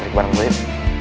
tarik balang kunyit